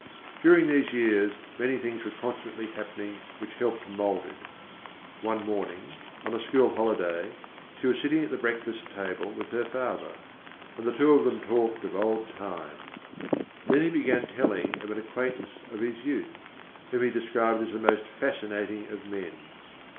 During these years many things were constantly happening which helped mould it. One morning, on a school holiday, she was sitting at the breakfast table with her father, and the two of them talked of old times. Then he began telling of an acquaintance of his youth, whom he described as the most fascinating of men.